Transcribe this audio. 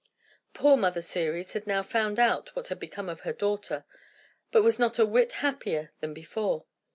Poor Mother Ceres had now found out what had become of her daughter, but was not a whit happier than before.